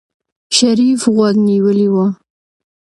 شريف غوږ نيولی و.